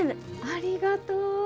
ありがとう。